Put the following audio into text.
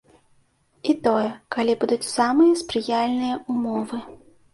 І тое, калі будуць самыя спрыяльныя ўмовы.